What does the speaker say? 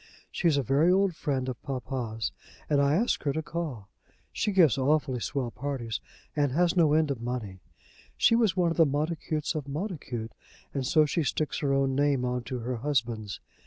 She's a very old friend of papa's, and I asked her to call. She gives awfully swell parties, and has no end of money. She was one of the Montacutes of Montacute, and so she sticks her own name on to her husband's.